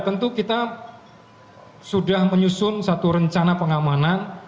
tentu kita sudah menyusun satu rencana pengamanan